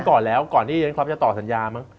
ต้องแต่ก่อนที่ย้นซ์คล็อปจะต่อสัญญา